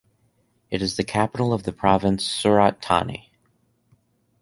It is the capital of the province Surat Thani.